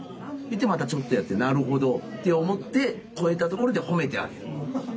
でまたちょっとやって「なるほど」って思って越えたところで褒めてあげる。